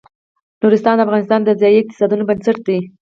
نورستان د افغانستان د ځایي اقتصادونو بنسټ دی.